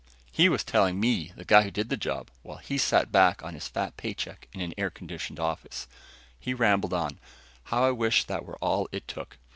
He was telling me the guy who did the job while he sat back on his fat paycheck in an air conditioned office. He rambled on. "How I wish that were all it took!